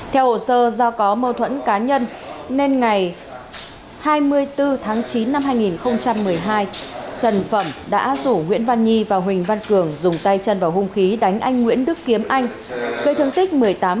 theo hồ sơ do có mâu thuẫn cá nhân nên ngày hai mươi bốn tháng chín năm hai nghìn một mươi hai trần phẩm đã rủ nguyễn văn nhi và huỳnh văn cường dùng tay chân vào hung khí đánh anh nguyễn đức kiếm anh gây thương tích một mươi tám